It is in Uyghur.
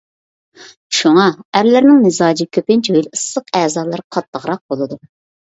شۇڭا ئەرلەرنىڭ مىزاجى كۆپىنچە ھۆل ئىسسىق، ئەزالىرى قاتتىقراق بولىدۇ.